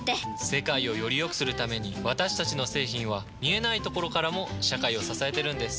世界をよりよくするために私たちの製品は見えないところからも社会を支えてるんです。